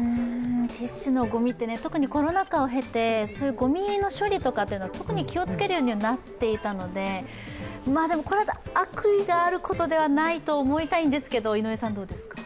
ティッシュのごみって、特にコロナ禍を経て、ごみの処理とかというのは特に気をつけるようにはなっていたので、でも、これは悪意があることではないと思いたいんですけど井上さん、どうですか？